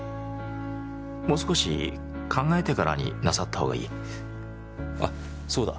もう少し考えてからになさったほうがいいあそうだ